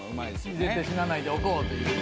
絶対死なないでおこうっていうね。